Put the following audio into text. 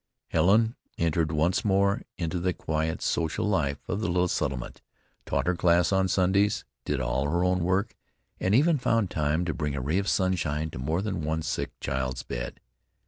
Helen entered once more into the quiet, social life of the little settlement, taught her class on Sundays, did all her own work, and even found time to bring a ray of sunshine to more than one sick child's bed.